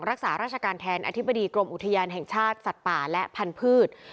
รักษาราชการแทนอธิบดีกรมอุทยานแห่งชาติสัตว์ป่าและพันธุ์